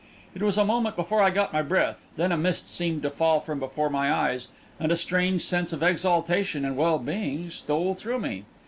It was a moment before I got my breath; then a mist seemed to fall from before my eyes and a strange sense of exaltation and well being stole through me.